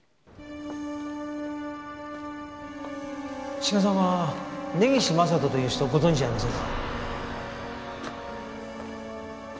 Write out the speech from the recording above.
志賀さんは根岸正人という人ご存じありませんか？